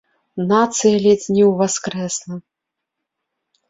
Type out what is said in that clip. Нацыя ледзь не ўваскрэсла.